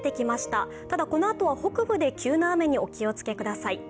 ただこのあとは北部で急な雨にお気をつけください。